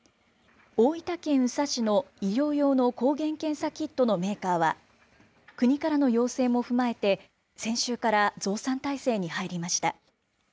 大分県宇佐市の医療用の抗原検査キットのメーカーは、国からの要請も踏まえて、先週から、増産体制に入りました。